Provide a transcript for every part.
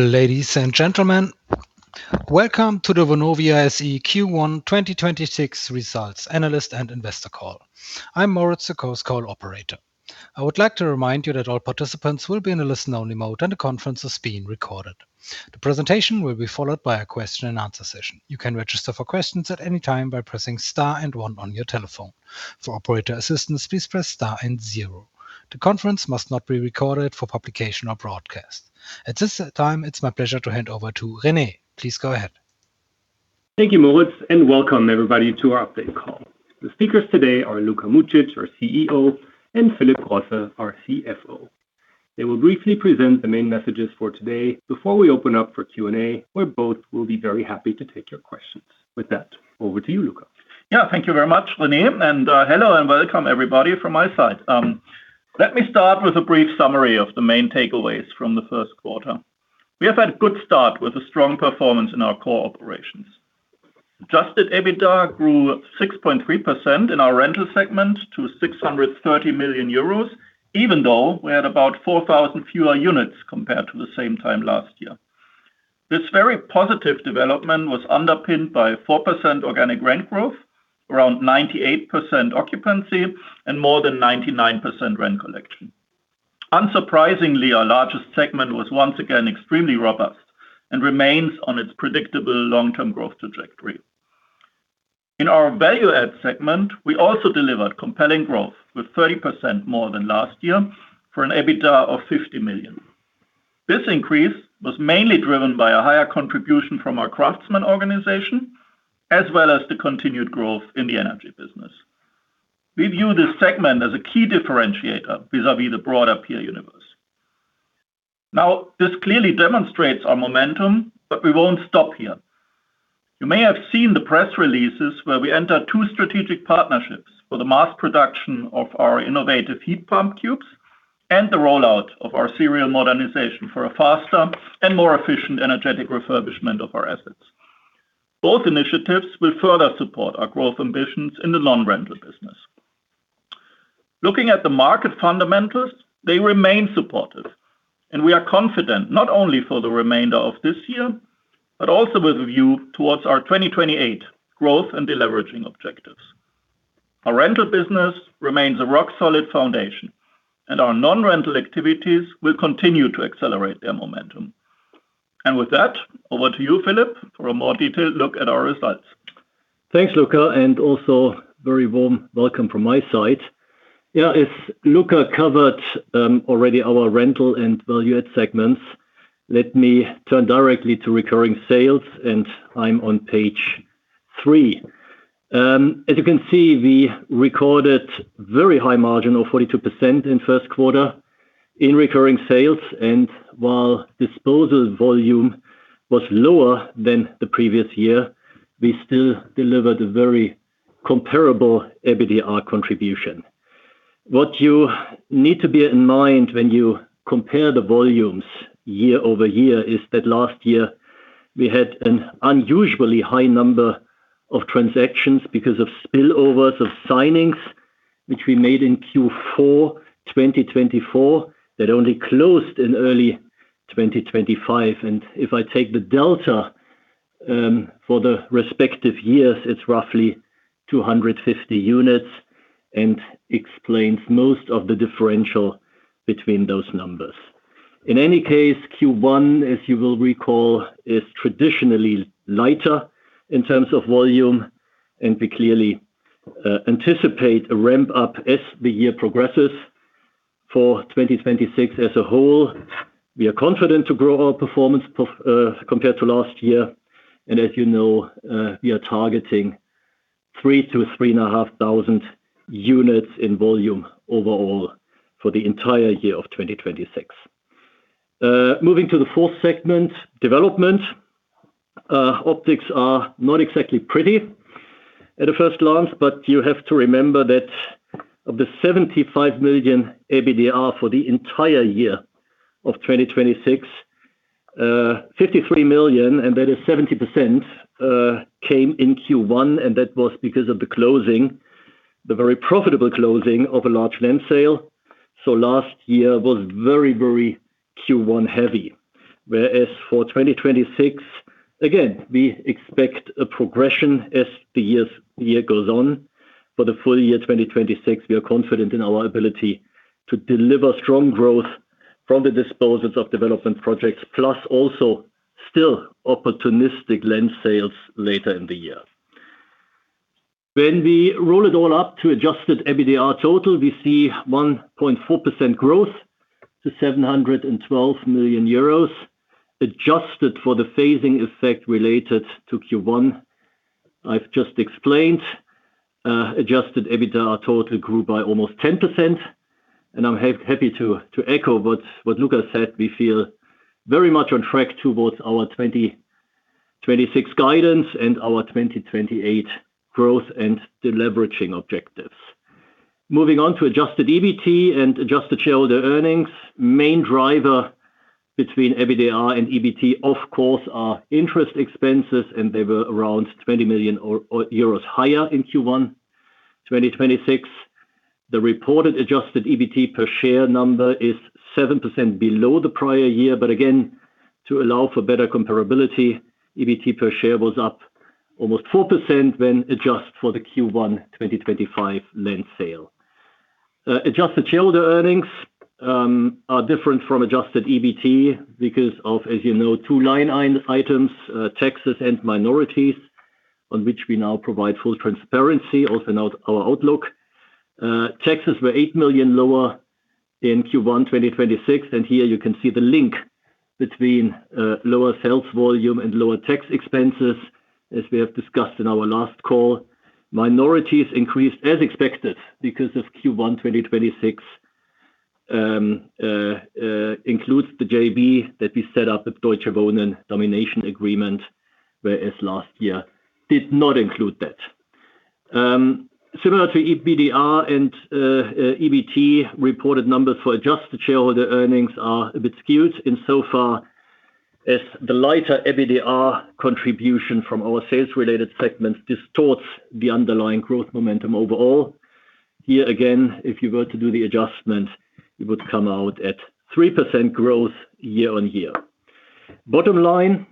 Ladies and gentlemen, welcome to the Vonovia SE Q1 2026 results analyst and investor call. I'm Moritz, the host call operator. I would like to remind you that all participants will be in a listen only mode, and the conference is being recorded. The presentation will be followed by a question and answer session. You can register for questions at any time by pressing star one on your telephone. For operator assistance, please press star 0. The conference must not be recorded for publication or broadcast. At this time, it's my pleasure to hand over to Rene. Please go ahead. Thank you, Moritz. Welcome everybody to our update call. The speakers today are Luka Mucic, our CEO, and Philip Grosse, our CFO. They will briefly present the main messages for today before we open up for Q&A, where both will be very happy to take your questions. With that, over to you, Luka. Thank you very much, Rene, and hello and welcome everybody from my side. Let me start with a brief summary of the main takeaways from the first quarter. We have had a good start with a strong performance in our core operations. Adjusted EBITDA grew 6.3% in our Rental segment to 630 million euros, even though we had about 4,000 fewer units compared to the same time last year. This very positive development was underpinned by 4% organic rent growth, around 98% occupancy and more than 99% rent collection. Unsurprisingly, our largest segment was once again extremely robust and remains on its predictable long-term growth trajectory. In our Value-add segment, we also delivered compelling growth with 30% more than last year for an EBITDA of 50 million. This increase was mainly driven by a higher contribution from our craftsman organization, as well as the continued growth in the energy business. We view this segment as a key differentiator vis-a-vis the broader peer universe. Now, this clearly demonstrates our momentum, but we won't stop here. You may have seen the press releases where we entered two strategic partnerships for the mass production of our innovative Heat Pump Cube and the rollout of our serial modernization for a faster and more efficient energetic refurbishment of our assets. Both initiatives will further support our growth ambitions in the non-rental business. Looking at the market fundamentals, they remain supportive, and we are confident not only for the remainder of this year, but also with a view towards our 2028 growth and deleveraging objectives. Our rental business remains a rock solid foundation, and our non-rental activities will continue to accelerate their momentum. With that, over to you, Philip, for a more detailed look at our results. Thanks, Luka, also very warm welcome from my side. As Luka covered, already our Rental segment and Value-add segment, let me turn directly to Recurring Sales, and I am on page three. As you can see, we recorded very high margin of 42% in first quarter in Recurring Sales. While disposal volume was lower than the previous year, we still delivered a very comparable EBITDA contribution. What you need to bear in mind when you compare the volumes year-over-year is that last year we had an unusually high number of transactions because of spillovers of signings, which we made in Q4 2024 that only closed in early 2025. If I take the delta for the respective years, it's roughly 250 units and explains most of the differential between those numbers. In any case, Q1, as you will recall, is traditionally lighter in terms of volume, and we clearly anticipate a ramp up as the year progresses. For 2026 as a whole, we are confident to grow our performance compared to last year. As you know, we are targeting 3,000-3,500 units in volume overall for the entire year of 2026. Moving to the fourth segment, Development segment. Optics are not exactly pretty at a first glance, but you have to remember that of the 75 million EBITDA for the entire year of 2026, 53 million, and that is 70%, came in Q1, and that was because of the closing, the very profitable closing of a large land sale. Last year was very, very Q1 heavy. For 2026, again, we expect a progression as the year goes on. For the full year 2026, we are confident in our ability to deliver strong growth from the disposals of development projects, plus also still opportunistic land sales later in the year. When we roll it all up to Adjusted EBITDA total, we see 1.4% growth to 712 million euros. Adjusted for the phasing effect related to Q1 I've just explained, Adjusted EBITDA total grew by almost 10%. I'm happy to echo what Luka said. We feel very much on track towards our 2026 guidance and our 2028 growth and deleveraging objectives. Moving on to Adjusted EBT and adjusted shareholder earnings. Main driver between EBITDA and EBT, of course, are interest expenses, and they were around 20 million euros higher in Q1 2026. The reported adjusted EBT per share number is 7% below the prior year. Again, to allow for better comparability, EBT per share was up almost 4% when adjusted for the Q1 2025 land sale. Adjusted shareholder earnings are different from adjusted EBT because of, as you know, two line items, taxes and minorities, on which we now provide full transparency, also note our outlook. Taxes were 8 million lower in Q1 2026, and here you can see the link between lower sales volume and lower tax expenses, as we have discussed in our last call. Minorities increased as expected because this Q1 2026 includes the JV that we set up with Deutsche Wohnen domination agreement, whereas last year did not include that. Similar to EBITDA and EBT reported numbers for adjusted shareholder earnings are a bit skewed insofar as the lighter EBITDA contribution from our sales-related segments distorts the underlying growth momentum overall. Here again, if you were to do the adjustment, it would come out at 3% growth year-on-year. Bottom line,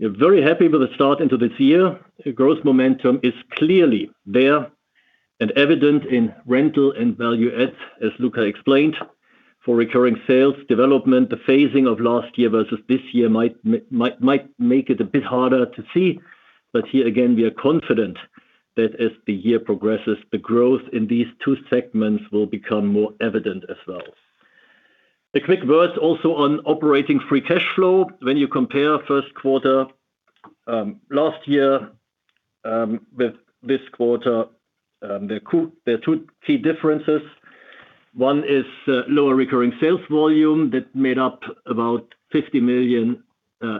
we're very happy with the start into this year. Growth momentum is clearly there and evident in Rental and Value-add, as Luka explained. For Recurring Sales Development, the phasing of last year versus this year might make it a bit harder to see. Here again, we are confident that as the year progresses, the growth in these two segments will become more evident as well. A quick word also on operating free cash flow. When you compare first quarter last year with this quarter, there are two key differences. One is lower Recurring Sales volume that made up about 50 million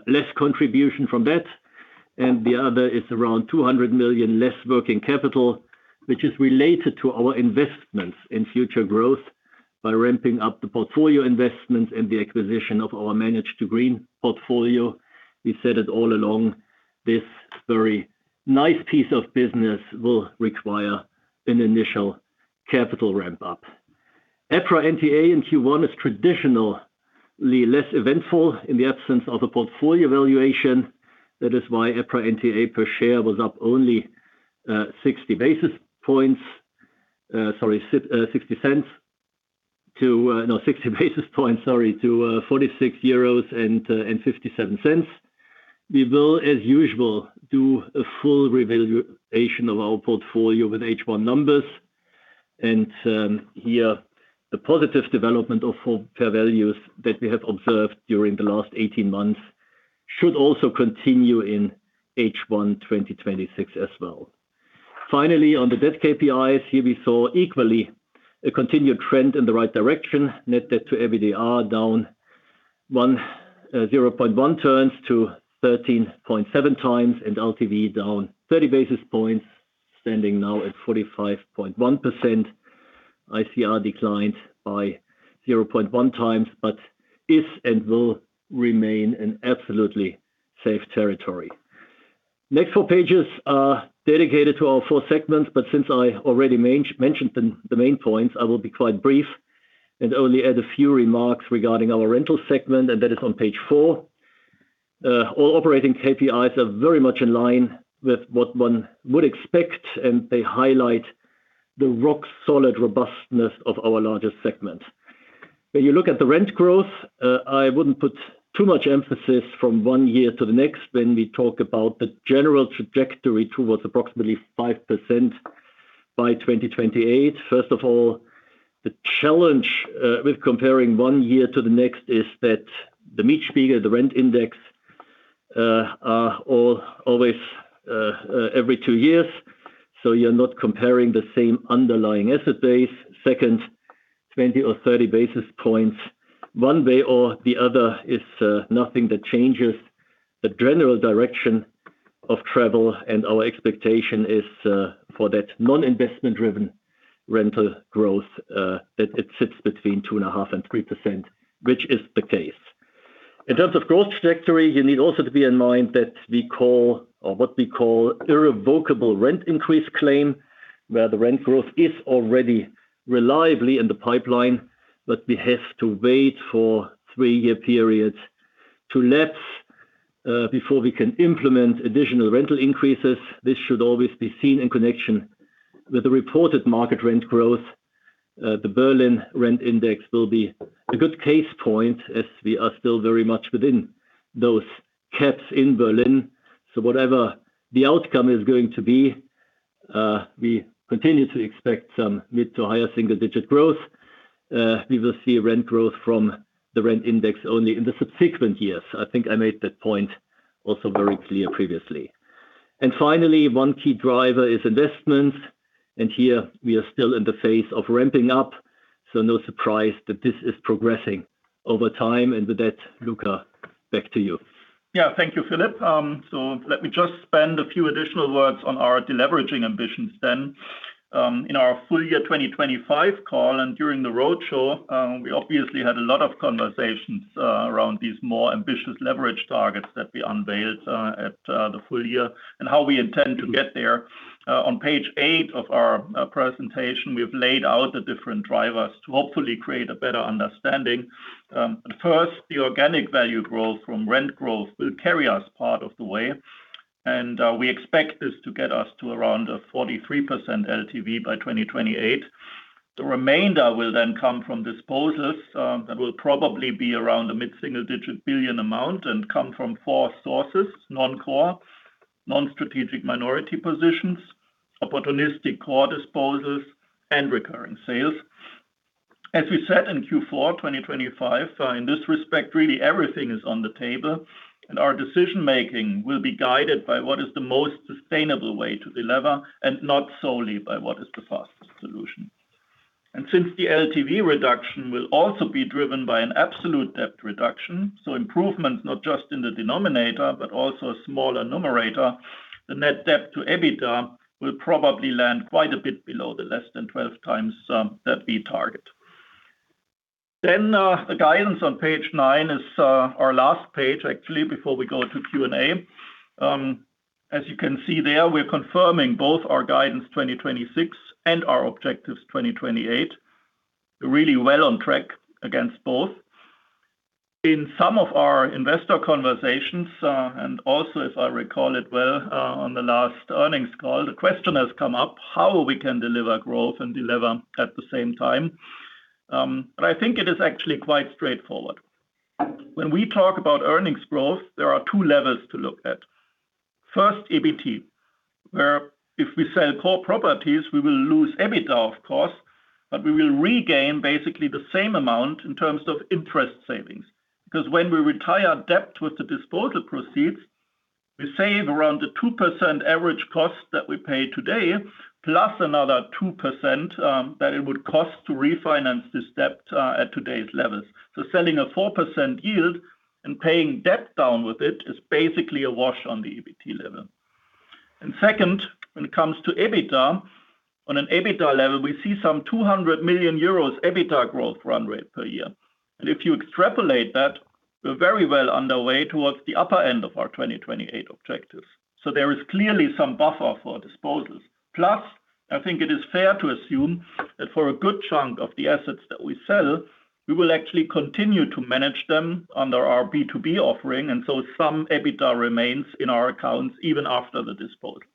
less contribution from that, and the other is around 200 million less working capital, which is related to our investments in future growth by ramping up the portfolio investment and the acquisition of our Manage to Green portfolio. We said it all along, this very nice piece of business will require an initial capital ramp up. EPRA NTA in Q1 is traditionally less eventful in the absence of a portfolio valuation. That is why EPRA NTA per share was up only 60 basis points. Sorry, 60 cents to no, 60 basis points, to 46.57 euros. We will, as usual, do a full revaluation of our portfolio with H1 numbers. Here the positive development of fair values that we have observed during the last 18 months should also continue in H1 2026 as well. Finally, on the debt KPIs, here we saw equally a continued trend in the right direction. Net debt to EBITDA down 0.1 turns to 13.7 times, and LTV down 30 basis points, standing now at 45.1%. ICR declined by 0.1 times, but is and will remain in absolutely safe territory. Since I already mentioned the main points, I will be quite brief and only add a few remarks regarding our Rental segment, and that is on page four. All operating KPIs are very much in line with what one would expect, and they highlight the rock-solid robustness of our largest segment. When you look at the rent growth, I wouldn't put too much emphasis from one year to the next when we talk about the general trajectory towards approximately 5% by 2028. First of all, the challenge with comparing one year to the next is that the Mietspiegel, the rent index, are always every two years, so you're not comparing the same underlying asset base. Second, 20 or 30 basis points one way or the other is nothing that changes the general direction of travel and our expectation is for that non-investment driven rental growth, that it sits between 2.5% and 3%, which is the case. In terms of growth trajectory, you need also to bear in mind that we call or what we call irrevocable rent increase claim, where the rent growth is already reliably in the pipeline. We have to wait for three-year periods to lapse, before we can implement additional rental increases. This should always be seen in connection with the reported market rent growth. The Berlin rent index will be a good case point as we are still very much within those caps in Berlin. Whatever the outcome is going to be, we continue to expect some mid to higher single-digit growth. We will see rent growth from the rent index only in the subsequent years. I think I made that point also very clear previously. Finally, one key driver is investments, and here we are still in the phase of ramping up, so no surprise that this is progressing over time. With that, Luka, back to you. Thank you, Philip. Let me just spend a few additional words on our deleveraging ambitions then. In our full year 2025 call and during the roadshow, we obviously had a lot of conversations around these more ambitious leverage targets that we unveiled at the full year and how we intend to get there. On page eight of our presentation, we have laid out the different drivers to hopefully create a better understanding. First, the organic value growth from rent growth will carry us part of the way, and we expect this to get us to around a 43% LTV by 2028. The remainder will then come from disposals that will probably be around the mid-single digit billion amount and come from four sources: non-core, non-strategic minority positions, opportunistic core disposals, and Recurring Sales. As we said in Q4 2025, in this respect, really everything is on the table, our decision-making will be guided by what is the most sustainable way to delever and not solely by what is the fastest solution. Since the LTV reduction will also be driven by an absolute debt reduction, so improvement not just in the denominator, but also a smaller numerator, the net debt to EBITDA will probably land quite a bit below the less than 12 times that we target. The guidance on page nine is our last page actually before we go to Q&A. As you can see there, we're confirming both our guidance 2026 and our objectives 2028. Really well on track against both. In some of our investor conversations, and also if I recall it well, on the last earnings call, the question has come up how we can deliver growth and deliver at the same time. I think it is actually quite straightforward. When we talk about earnings growth, there are two levers to look at. First, EBT, where if we sell core properties, we will lose EBITDA, of course, but we will regain basically the same amount in terms of interest savings. When we retire debt with the disposal proceeds, we save around the 2% average cost that we pay today, plus another 2% that it would cost to refinance this debt at today's levels. Selling a 4% yield and paying debt down with it is basically a wash on the EBT level. Second, when it comes to EBITDA, on an EBITDA level, we see some 200 million euros EBITDA growth run rate per year. If you extrapolate that, we're very well underway towards the upper end of our 2028 objectives. There is clearly some buffer for disposals. I think it is fair to assume that for a good chunk of the assets that we sell, we will actually continue to manage them under our B2B offering, and so some EBITDA remains in our accounts even after the disposals.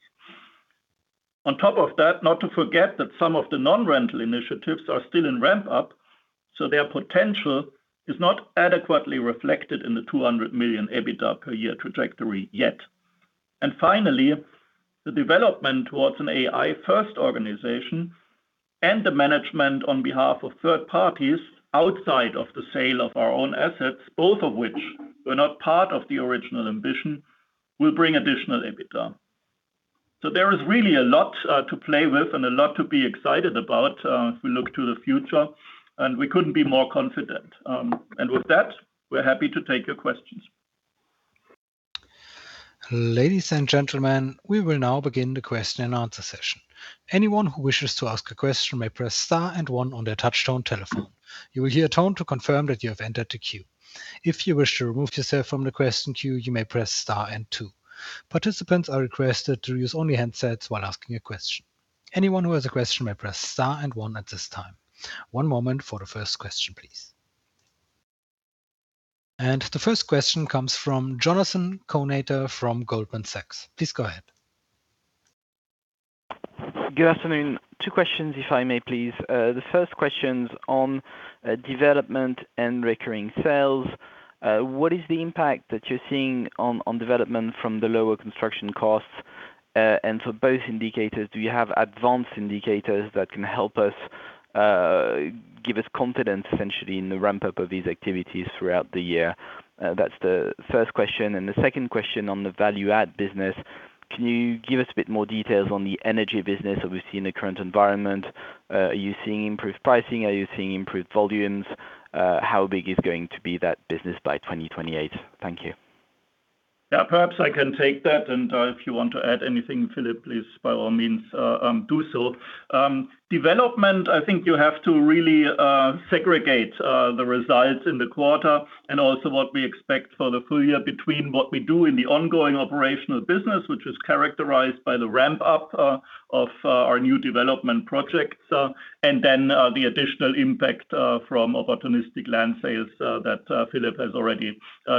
On top of that, not to forget that some of the non-rental initiatives are still in ramp-up, so their potential is not adequately reflected in the 200 million EBITDA per year trajectory yet. Finally, the development towards an AI-first organization and the management on behalf of third parties outside of the sale of our own assets, both of which were not part of the original ambition, will bring additional EBITDA. There is really a lot to play with and a lot to be excited about if we look to the future. We couldn't be more confident. With that, we're happy to take your questions. Ladies and gentlemen, we will now begin the question and answer session. Anyone who wishes to ask a question may press star and one on their touchtone telephone. You will hear a tone to confirm that you have entered the queue. If you wish to remove yourself from the question queue, you may press star and two. Participants are requested to use only handsets while asking a question. Anyone who has a question may press star and one at this time. One moment for the first question, please. The first question comes from Jonathan Kownator from Goldman Sachs. Please go ahead. Good afternoon. Two questions if I may, please. The first question's on Development segment and Recurring Sales. What is the impact that you're seeing on Development segment from the lower construction costs? For both indicators, do you have advanced indicators that can help us give us confidence essentially in the ramp-up of these activities throughout the year? That's the first question. The second question on the Value-add segment. Can you give us a bit more details on the energy business, obviously, in the current environment? Are you seeing improved pricing? Are you seeing improved volumes? How big is going to be that business by 2028? Thank you. Yeah. Perhaps I can take that, and if you want to add anything, Philip, please, by all means, do so. Development, I think you have to really segregate the results in the quarter and also what we expect for the full year between what we do in the ongoing operational business, which is characterized by the ramp-up of our new development projects, and then the additional impact from opportunistic land sales that Philip has already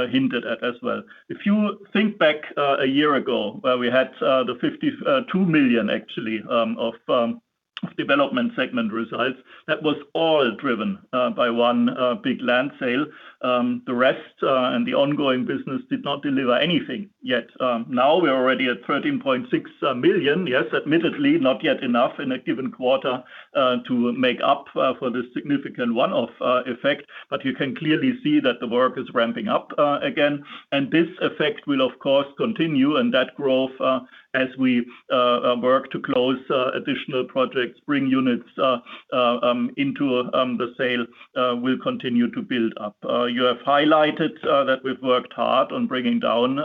hinted at as well. If you think back a year ago, where we had the 52 million actually of Development segment results, that was all driven by one big land sale. The rest, and the ongoing business did not deliver anything yet. Now we're already at 13.6 million. Yes, admittedly, not yet enough in a given quarter to make up for this significant one-off effect. You can clearly see that the work is ramping up again. This effect will, of course, continue, and that growth, as we work to close additional projects, bring units into the sale, will continue to build up. You have highlighted that we've worked hard on bringing down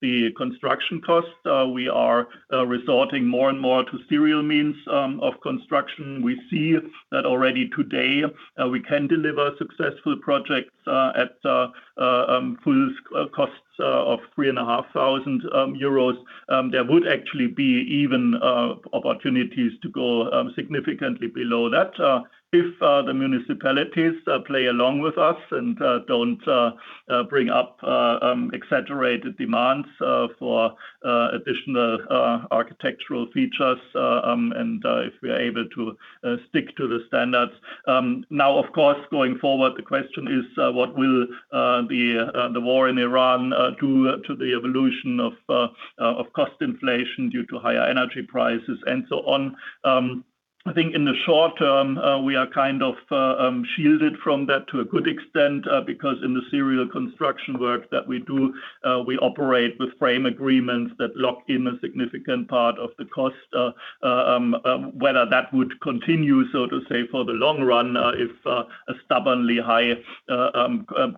the construction costs. We are resorting more and more to serial means of construction. We see that already today, we can deliver successful projects at full cost of 3,500 euros. There would actually be even opportunities to go significantly below that if the municipalities play along with us and don't bring up exaggerated demands for additional architectural features. If we are able to stick to the standards. Now of course, going forward the question is what will the war in Iran do to the evolution of cost inflation due to higher energy prices and so on. I think in the short term, we are kind of shielded from that to a good extent because in the serial construction work that we do, we operate with frame agreements that lock in a significant part of the cost. Whether that would continue, so to say, for the long run, if a stubbornly high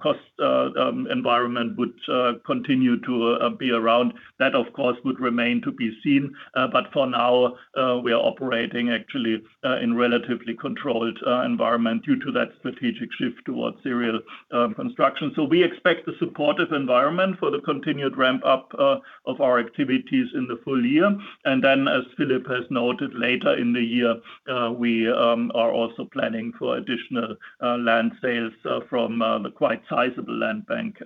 cost environment would continue to be around, that of course would remain to be seen. For now, we are operating actually in relatively controlled environment due to that strategic shift towards serial modernization. We expect a supportive environment for the continued ramp up of our activities in the full year. As Philip has noted, later in the year, we are also planning for additional land sales from the quite sizable land bank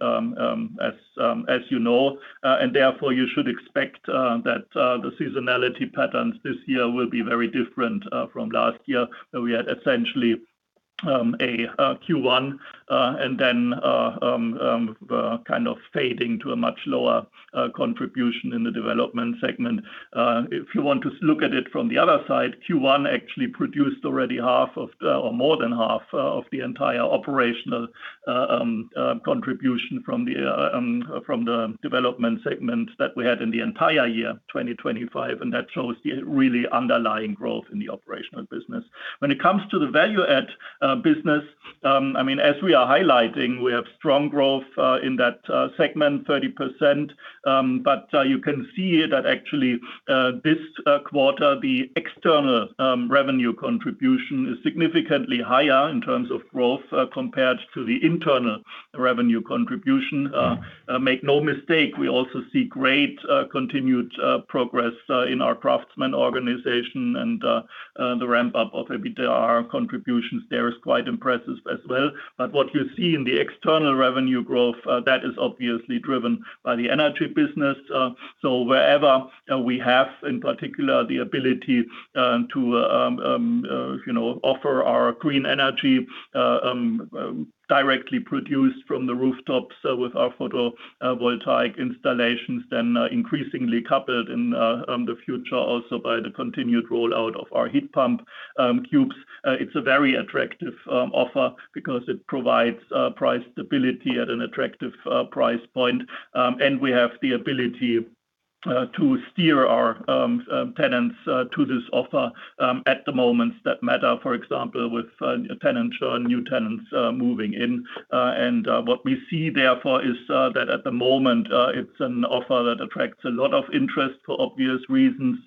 as you know. Therefore you should expect that the seasonality patterns this year will be very different from last year, where we had essentially Q1, and then kind of fading to a much lower contribution in the Development segment. If you want to look at it from the other side, Q1 actually produced already half of the or more than half of the entire operational contribution from the Development segment that we had in the entire year, 2025. That shows the really underlying growth in the operational business. When it comes to the Value-add business, I mean, as we are highlighting, we have strong growth in that segment, 30%. You can see that actually, this quarter, the external revenue contribution is significantly higher in terms of growth compared to the internal revenue contribution. Make no mistake, we also see great continued progress in our craftsman organization and the ramp up of EBITDA contributions there is quite impressive as well. What you see in the external revenue growth, that is obviously driven by the energy business. Wherever we have in particular the ability to, you know, offer our green energy directly produced from the rooftops with our photovoltaic installations, then increasingly coupled in the future also by the continued rollout of our Heat Pump Cubes. It's a very attractive offer because it provides price stability at an attractive price point. We have the ability to steer our tenants to this offer at the moments that matter. For example, with tenants or new tenants moving in. What we see therefore is that at the moment, it's an offer that attracts a lot of interest for obvious reasons.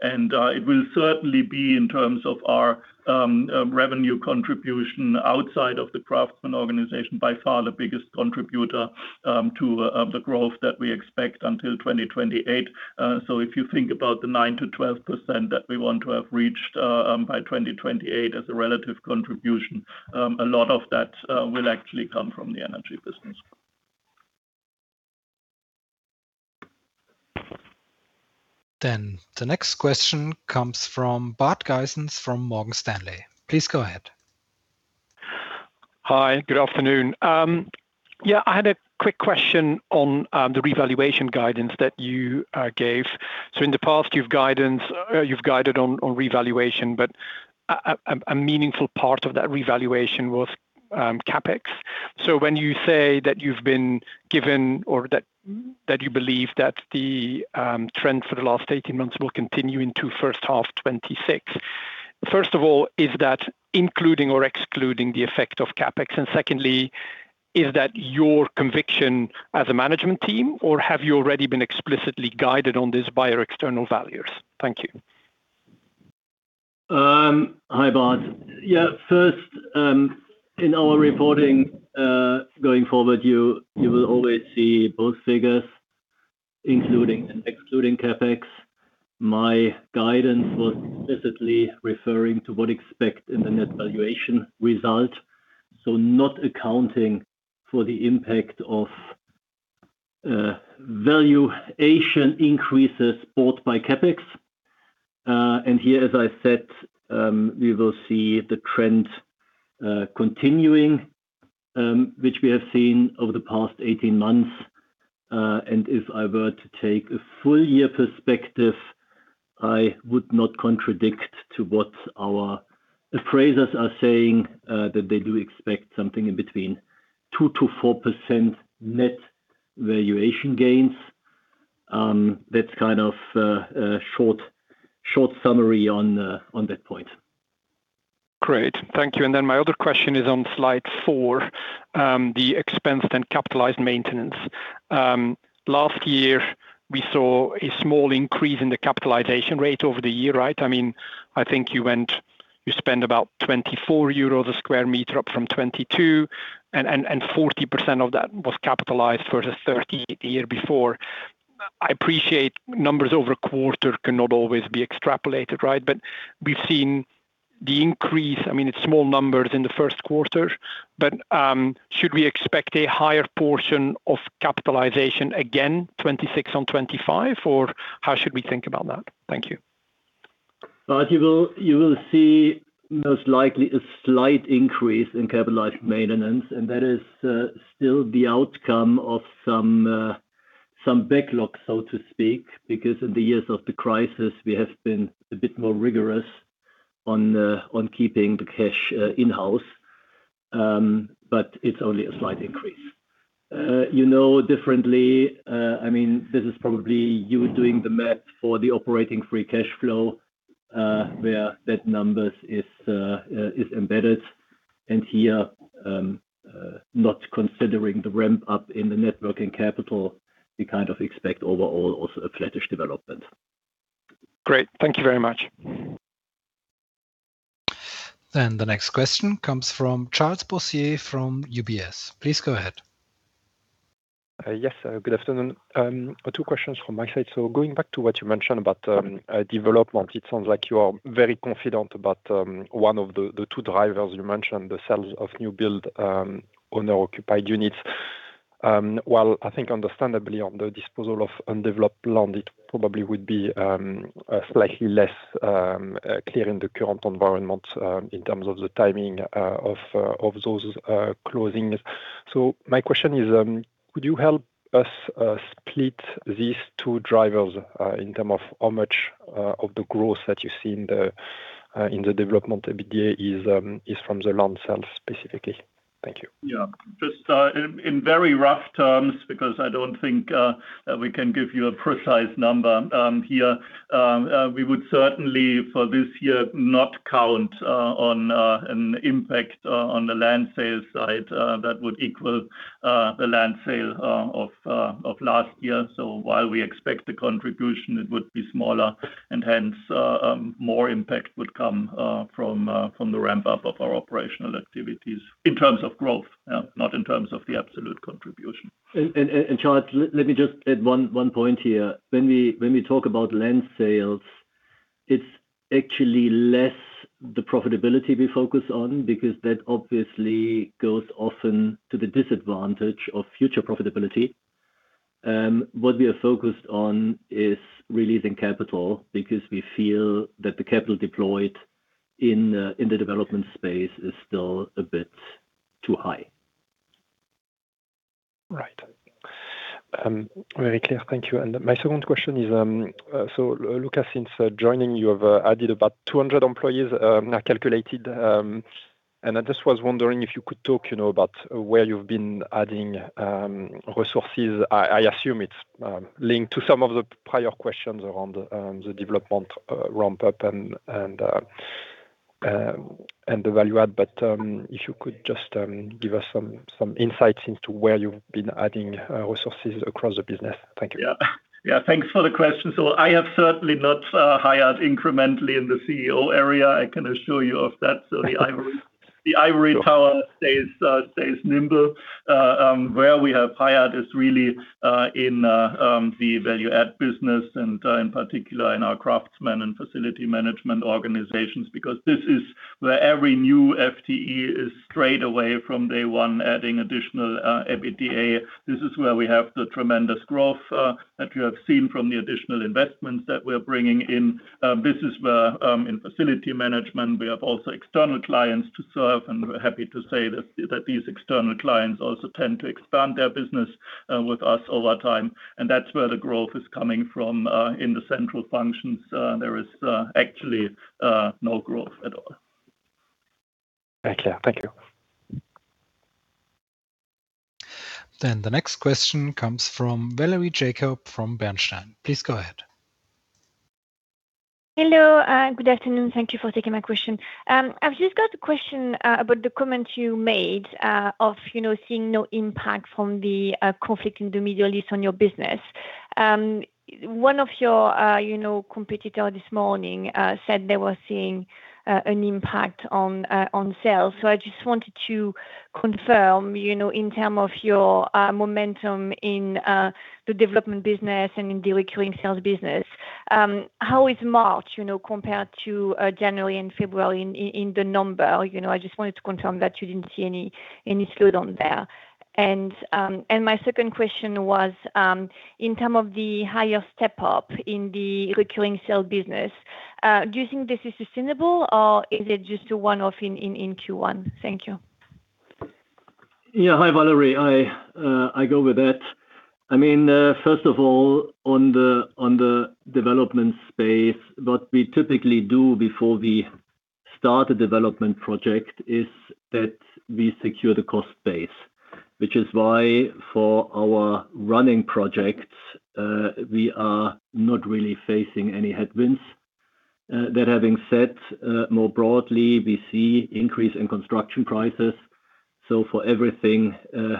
It will certainly be in terms of our revenue contribution outside of the craftsman organization by far the biggest contributor to the growth that we expect until 2028. If you think about the 9%-12% that we want to have reached by 2028 as a relative contribution, a lot of that will actually come from the energy business. The next question comes from Bart Gysens from Morgan Stanley. Please go ahead. Hi. Good afternoon. I had a quick question on the revaluation guidance that you gave. In the past, you've guided on revaluation, but a meaningful part of that revaluation was CapEx. When you say that you've been given or that you believe that the trend for the last 18 months will continue into first half 2026. First of all, is that including or excluding the effect of CapEx? Secondly, is that your conviction as a management team, or have you already been explicitly guided on this by your external valuers? Thank you. Hi, Bart. First, in our reporting, going forward, you will always see both figures, including and excluding CapEx. My guidance was explicitly referring to what expect in the net valuation result. Not accounting for the impact of valuation increases bought by CapEx. Here, as I said, we will see the trend continuing, which we have seen over the past 18 months. If I were to take a full year perspective, I would not contradict to what our appraisers are saying, that they do expect something in between 2%-4% net valuation gains. That's kind of a short summary on that point. Great. Thank you. Then my other question is on slide four. The expense then capitalized maintenance. Last year we saw a small increase in the capitalization rate over the year, right? I mean, I think you spend about 24 euros a sq m up from 22, and 40% of that was capitalized versus 30% the year before. I appreciate numbers over a quarter cannot always be extrapolated, right? We've seen the increase. I mean, it's small numbers in the first quarter, but should we expect a higher portion of capitalization again, 2026 on 2025? Or how should we think about that? Thank you. Well, you will see most likely a slight increase in capitalized maintenance, and that is still the outcome of some backlog, so to speak. In the years of the crisis, we have been a bit more rigorous on keeping the cash in-house. It's only a slight increase. You know differently, I mean, this is probably you doing the math for the operating free cash flow, where that numbers is embedded. Here, not considering the ramp-up in the net working capital, we kind of expect overall also a flattish development. Great. Thank you very much. The next question comes from Charles Boissier from UBS. Please go ahead. Yes. Good afternoon. Two questions from my side. Going back to what you mentioned about development, it sounds like you are very confident about one of the two drivers you mentioned, the sales of new build owner-occupied units. While I think understandably on the disposal of undeveloped land, it probably would be slightly less clear in the current environment in terms of the timing of those closings. My question is, could you help us split these two drivers in term of how much of the growth that you see in the development EBITDA is from the land sales specifically? Thank you. Yeah. Just in very rough terms, because I don't think we can give you a precise number here. We would certainly for this year not count on an impact on the land sale side that would equal the land sale of last year. While we expect the contribution, it would be smaller and hence, more impact would come from the ramp-up of our operational activities in terms of growth, not in terms of the absolute contribution. Charles, let me just add one point here. When we talk about land sales, it's actually less the profitability we focus on because that obviously goes often to the disadvantage of future profitability. What we are focused on is releasing capital because we feel that the capital deployed in the development space is still a bit too high. Right. Very clear. Thank you. My second question is, so Luka, since joining you have added about 200 employees, I calculated. I just was wondering if you could talk, you know, about where you've been adding resources. I assume it's linked to some of the prior questions around the development ramp-up and the value add. If you could just give us some insights into where you've been adding resources across the business. Thank you. Yeah. Yeah, thanks for the question. I have certainly not hired incrementally in the CEO area, I can assure you of that. The ivory tower stays nimble. Where we have hired is really in the Value-add business and in particular in our craftsmen and facility management organizations. This is where every new FTE is straight away from day one adding additional EBITDA. This is where we have the tremendous growth that you have seen from the additional investments that we're bringing in. This is where in facility management, we have also external clients to serve, and we're happy to say that these external clients also tend to expand their business with us over time, and that's where the growth is coming from. In the central functions, there is actually no growth at all. Very clear. Thank you. The next question comes from Valerie Jacob from Bernstein. Please go ahead. Hello. Good afternoon. Thank you for taking my question. I've just got a question about the comment you made, of, you know, seeing no impact from the conflict in the Middle East on your business. One of your, you know, competitor this morning said they were seeing an impact on sales. I just wanted to confirm, you know, in term of your momentum in the Development business and in the Recurring Sales business, how is March, you know, compared to January and February in the number? You know, I just wanted to confirm that you didn't see any slowdown there. My second question was, in terms of the higher step-up in the Recurring Sales, do you think this is sustainable, or is it just a one-off in Q1? Thank you. Yeah. Hi, Valerie. I go with that. I mean, first of all, on the development space, what we typically do before we start a development project is that we secure the cost base, which is why for our running projects, we are not really facing any headwinds. That having said, more broadly, we see increase in construction prices. For everything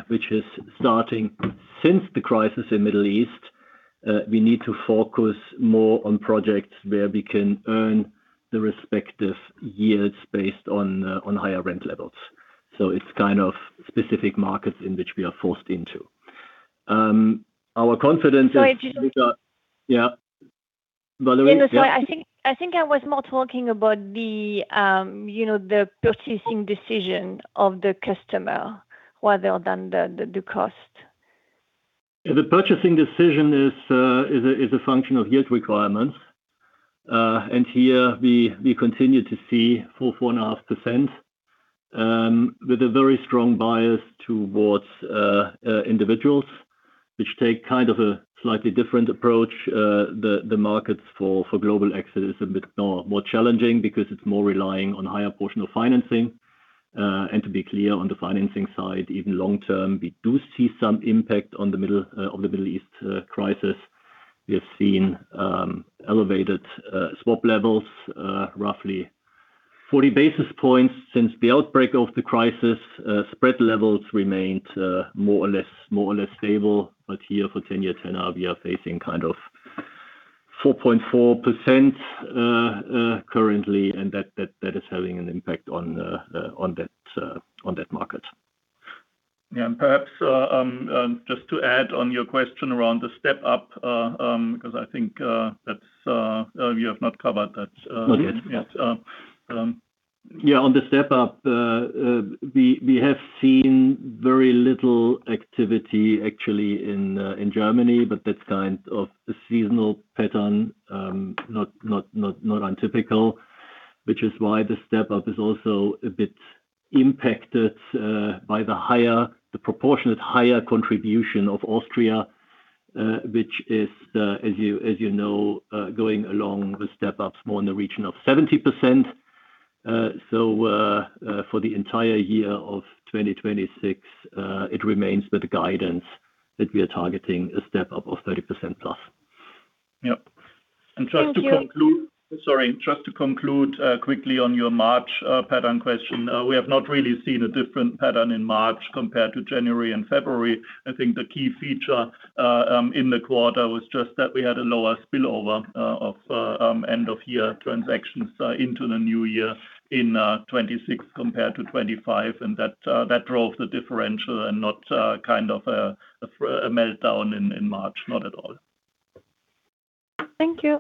which is starting since the crisis in Middle East, we need to focus more on projects where we can earn the respective yields based on higher rent levels. It's kind of specific markets in which we are forced into. Sorry. Yeah. Valerie, yeah? No, sorry. I think I was more talking about the, you know, the purchasing decision of the customer rather than the cost. Yeah. The purchasing decision is a function of yield requirements. Here we continue to see 4-4.5% with a very strong bias towards individuals which take kind of a slightly different approach. The markets for global exit is a bit more challenging because it's more relying on higher portion of financing. To be clear, on the financing side, even long term, we do see some impact on the Middle East crisis. We have seen elevated swap levels, roughly 40 basis points since the outbreak of the crisis. Spread levels remained more or less stable. Here for 10-year, 10Y we are facing kind of 4.4% currently, and that is having an impact on that market. Yeah. Perhaps, just to add on your question around the step up, because I think, that's, you have not covered that. Not yet. Yeah, on the step up, we have seen very little activity actually in Germany, but that's kind of a seasonal pattern, not untypical, which is why the step up is also a bit impacted by the proportionate higher contribution of Austria, which is as you know, going along with step ups more in the region of 70%. For the entire year of 2026, it remains the guidance that we are targeting a step up of 30% plus. Yep. Thank you. Sorry. Just to conclude quickly on your March pattern question. We have not really seen a different pattern in March compared to January and February. I think the key feature in the quarter was just that we had a lower spillover of end of year transactions into the new year in 2026 compared to 2025. That drove the differential and not kind of a meltdown in March. Not at all. Thank you.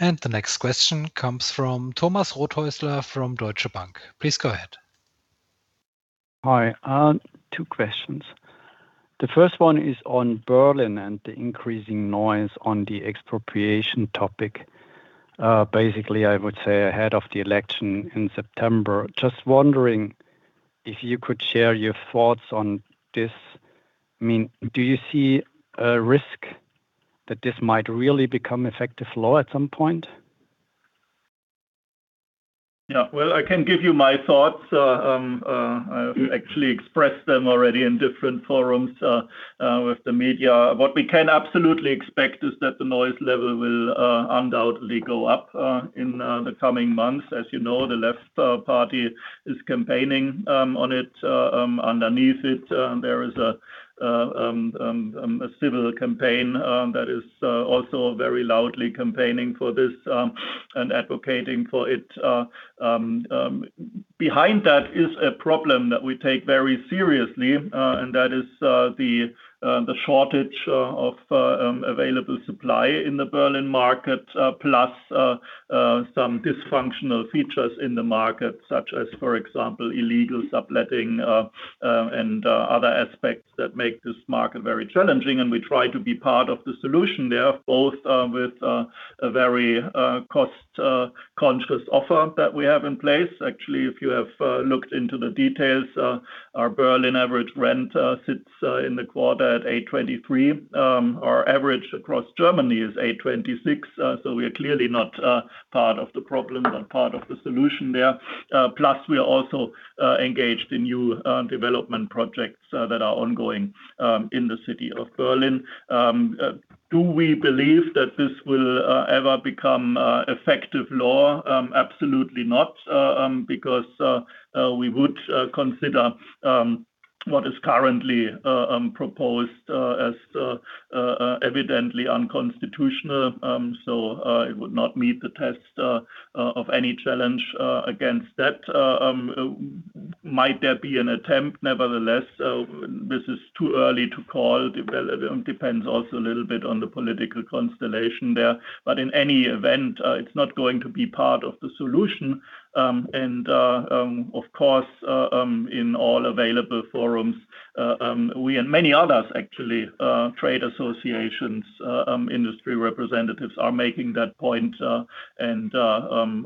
The next question comes from Thomas Rothaeusler from Deutsche Bank. Please go ahead. Hi. Two questions. The first one is on Berlin and the increasing noise on the expropriation topic. Basically I would say ahead of the election in September. Just wondering if you could share your thoughts on this. I mean, do you see a risk that this might really become effective law at some point? Well, I can give you my thoughts. I actually expressed them already in different forums with the media. What we can absolutely expect is that the noise level will undoubtedly go up in the coming months. As you know, the left party is campaigning on it. Underneath it, there is a civil campaign that is also very loudly campaigning for this and advocating for it. Behind that is a problem that we take very seriously, and that is the shortage of available supply in the Berlin market, plus some dysfunctional features in the market, such as, for example, illegal subletting, and other aspects that make this market very challenging. We try to be part of the solution there, both with a very cost conscious offer that we have in place. Actually, if you have looked into the details, our Berlin average rent sits in the quarter at 8.23. Our average across Germany is 8.26. We are clearly not part of the problem but part of the solution there. Plus, we are also engaged in new development projects that are ongoing in the city of Berlin. Do we believe that this will ever become effective law? Absolutely not, because we would consider what is currently proposed as evidently unconstitutional. It would not meet the test of any challenge against that. Might there be an attempt nevertheless? This is too early to call. Depends also a little bit on the political constellation there. In any event, it's not going to be part of the solution. Of course, in all available forums, we and many others actually, trade associations, industry representatives are making that point.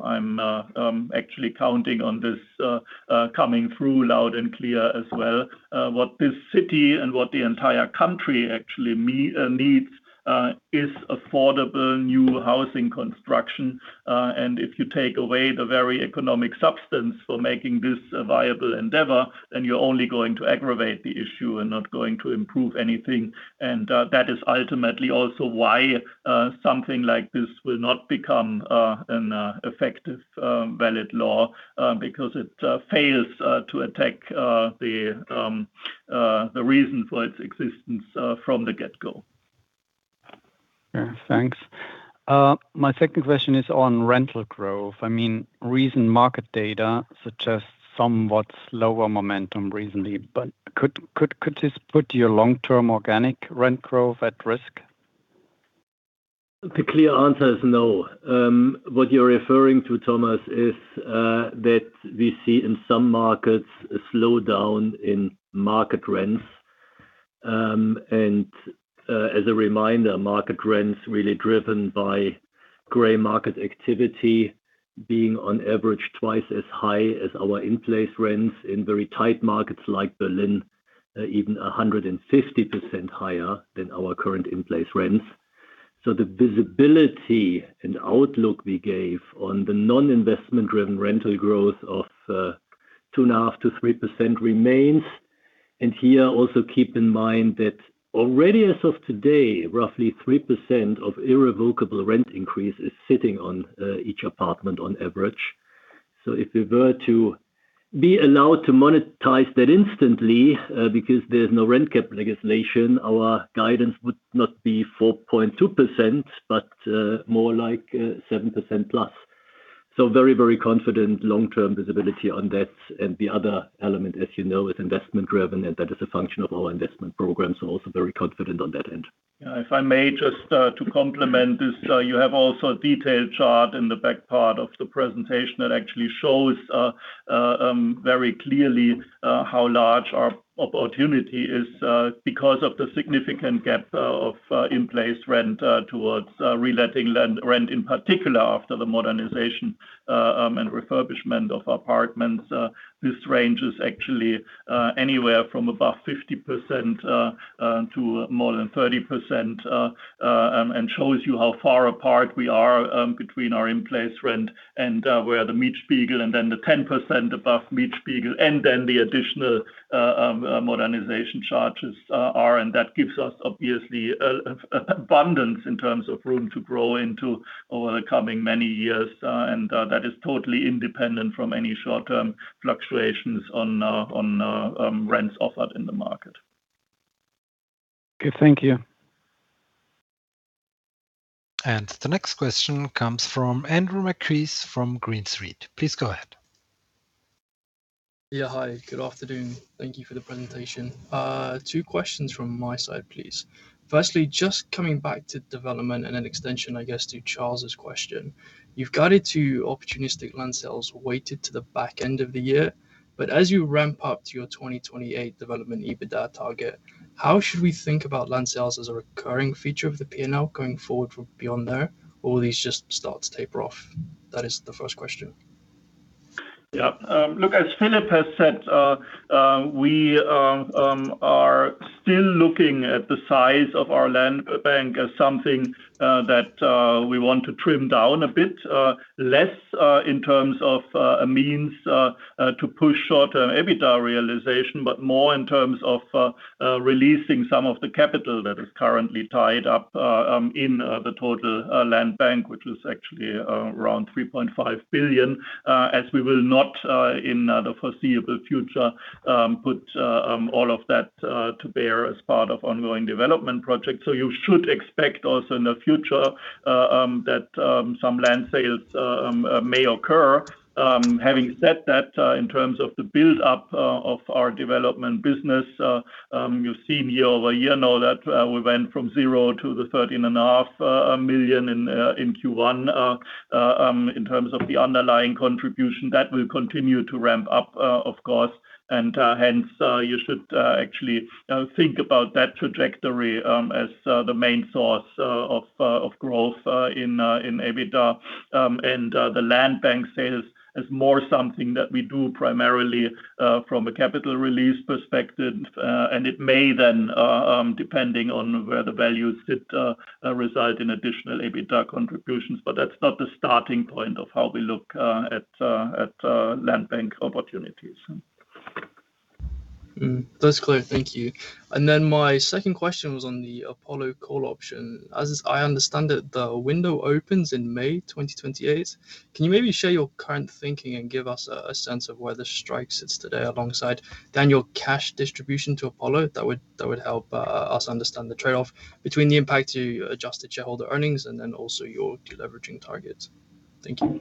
I'm actually counting on this coming through loud and clear as well. What this city and what the entire country actually needs is affordable new housing construction. If you take away the very economic substance for making this a viable endeavor, then you're only going to aggravate the issue and not going to improve anything. That is ultimately also why something like this will not become an effective, valid law, because it fails to attack the reason for its existence from the get-go. Yeah, thanks. My second question is on rental growth. I mean, recent market data suggests somewhat slower momentum recently, but could this put your long-term organic rent growth at risk? The clear answer is no. What you're referring to, Thomas, is that we see in some markets a slowdown in market rents. As a reminder, market rents really driven by gray market activity being on average 2x as high as our in-place rents. In very tight markets like Berlin, even 150% higher than our current in-place rents. The visibility and outlook we gave on the non-investment driven rental growth of 2.5%-3% remains. Here also keep in mind that already as of today, roughly 3% of irrevocable rent increase is sitting on each apartment on average. If we were to be allowed to monetize that instantly, because there's no rent cap legislation, our guidance would not be 4.2%, but, more like, 7% plus. Very, very confident long-term visibility on that. The other element, as you know, is investment driven, and that is a function of our investment program, so also very confident on that end. Yeah. If I may just to complement this. You have also a detailed chart in the back part of the presentation that actually shows very clearly how large our opportunity is because of the significant gap of in-place rent towards reletting rent, in particular after the modernization and refurbishment of apartments. This range is actually anywhere from above 50% to more than 30% and shows you how far apart we are between our in-place rent and where the Mietspiegel, and then the 10% above Mietspiegel, and then the additional modernization charges are. That gives us obviously abundance in terms of room to grow into over the coming many years. That is totally independent from any short-term fluctuations on, rents offered in the market. Okay. Thank you. The next question comes from Andrew McCreath from Green Street. Please go ahead. Hi, good afternoon. Thank you for the presentation. Two questions from my side, please. Firstly, just coming back to development and an extension, I guess, to Charles's question. You've guided to opportunistic land sales weighted to the back end of the year. As you ramp up to your 2028 Development EBITDA target, how should we think about land sales as a recurring feature of the P&L going forward from beyond there? Will these just start to taper off? That is the first question. Look, as Philip has said, we are still looking at the size of our land bank as something that we want to trim down a bit, less in terms of a means to push short-term EBITDA realization, but more in terms of releasing some of the capital that is currently tied up in the total land bank, which is actually around 3.5 billion. As we will not in the foreseeable future put all of that to bear as part of ongoing development projects, you should expect also in the future that some land sales may occur. Having said that, in terms of the build up of our Development segment, you've seen year-over-year now that we went from 0 to 13.5 million in Q1 in terms of the underlying contribution. That will continue to ramp up, of course. Hence, you should actually think about that trajectory as the main source of growth in EBITDA. The land bank sales is more something that we do primarily from a capital release perspective. It may then, depending on where the values sit, result in additional EBITDA contributions, but that's not the starting point of how we look at land bank opportunities. That's clear. Thank you. My second question was on the Apollo call option. As I understand it, the window opens in May 2028. Can you maybe share your current thinking and give us a sense of where the strike sits today alongside then your cash distribution to Apollo? That would help us understand the trade-off between the impact to adjusted shareholder earnings and then also your deleveraging targets. Thank you.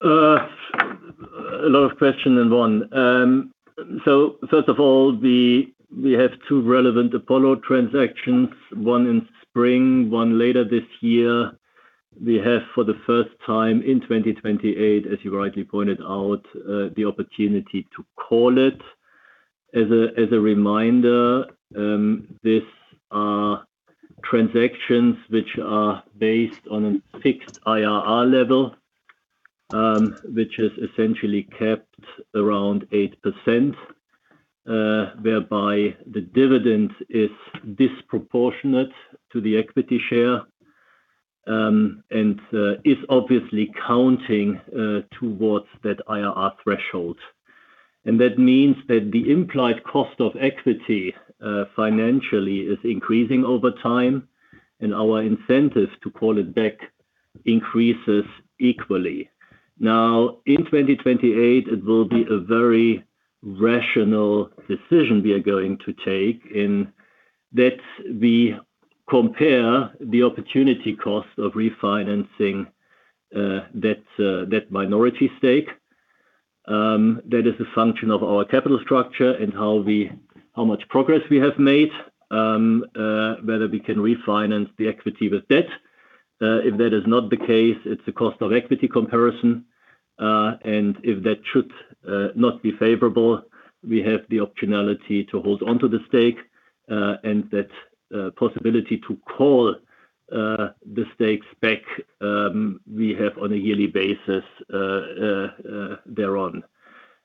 A lot of questions in one. First of all, we have two relevant Apollo transactions, one in spring, one later this year. We have for the first time in 2028, as you rightly pointed out, the opportunity to call it. As a reminder, these are transactions which are based on a fixed IRR level, which is essentially capped around 8%, whereby the dividend is disproportionate to the equity share, and is obviously counting towards that IRR threshold. That means that the implied cost of equity, financially is increasing over time, and our incentives to call it back increases equally. Now, in 2028, it will be a very rational decision we are going to take in that we compare the opportunity cost of refinancing that minority stake. That is a function of our capital structure and how much progress we have made, whether we can refinance the equity with debt. If that is not the case, it's a cost of equity comparison. If that should not be favorable, we have the optionality to hold onto the stake, and that possibility to call the stakes back, we have on a yearly basis thereon.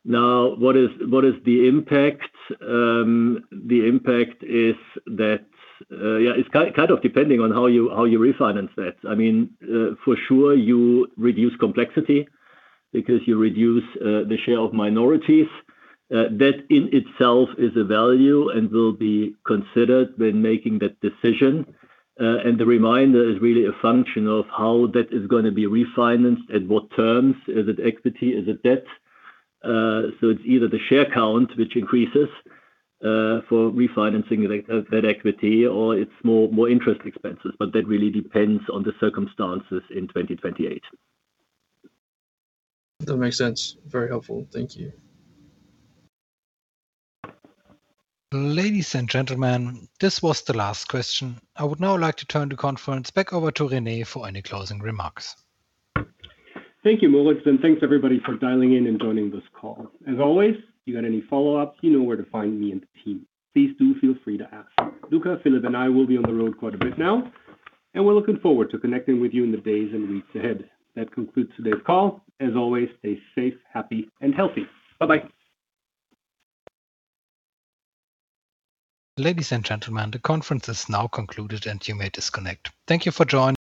What is the impact? The impact is that it's kind of depending on how you, how you refinance that. I mean, for sure you reduce complexity because you reduce the share of minorities. That in itself is a value and will be considered when making that decision. The reminder is really a function of how that is gonna be refinanced, at what terms. Is it equity? Is it debt? So it's either the share count which increases for refinancing the that equity or it's more interest expenses, but that really depends on the circumstances in 2028. That makes sense. Very helpful. Thank you. Ladies and gentlemen, this was the last question. I would now like to turn the conference back over to Rene for any closing remarks. Thank you, Moritz, and thanks everybody for dialing in and joining this call. As always, if you got any follow-ups, you know where to find me and the team. Please do feel free to ask. Luka, Philip, and I will be on the road quite a bit now, and we're looking forward to connecting with you in the days and weeks ahead. That concludes today's call. As always, stay safe, happy and healthy. Bye-bye. Ladies and gentlemen, the conference is now concluded, and you may disconnect. Thank you for joining.